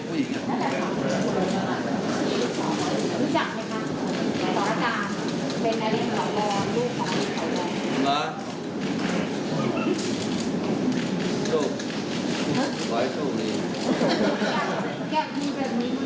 พหายประโยชน์ลึก